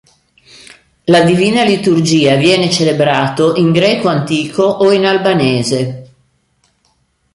La divina liturgia viene celebrato in greco antico o in albanese.